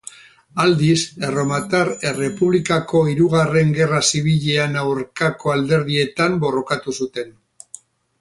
Aldiz, Erromatar Errepublikako Hirugarren Gerra Zibilean aurkako alderdietan borrokatu zuten.